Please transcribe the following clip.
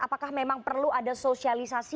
apakah memang perlu ada sosialisasi